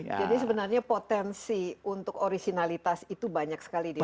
jadi sebenarnya potensi untuk originalitas itu banyak sekali di indonesia